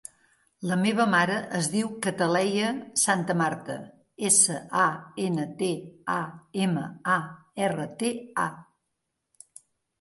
La meva mare es diu Cataleya Santamarta: essa, a, ena, te, a, ema, a, erra, te, a.